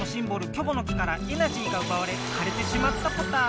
「キョボの木」からエナジーがうばわれかれてしまったポタ。